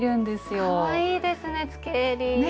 かわいいですね